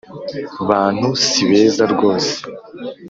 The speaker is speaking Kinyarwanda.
Bantu si beza rwose